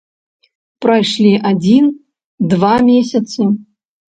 Прайшлі адзін, два месяцы.